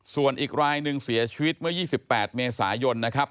ส่วนอีกรายหนึ่งเสียชีวิตเมื่อ๒๘เมษายนนะครับ